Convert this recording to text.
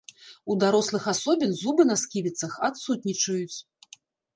У дарослых асобін зубы на сківіцах адсутнічаюць.